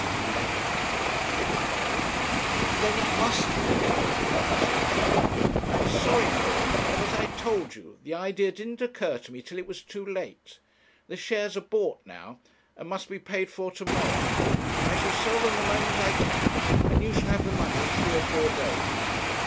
'Alaric, if it were known ' 'Then it mustn't be known,' said Tudor. 'I am sorry for it; but, as I told you, the idea didn't occur to me till it was too late. The shares are bought now, and must be paid for to morrow. I shall sell them the moment I can, and you shall have the money in three or four days.'